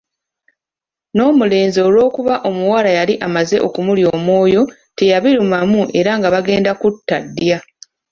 N’omulenzi olw’okuba omuwala yali amaze okumulya omwoyo teyabirumamu era nga bagenda kutta ddya.